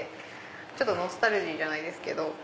ちょっとノスタルジーじゃないですけど。